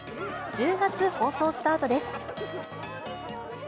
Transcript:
１０月放送スタートです。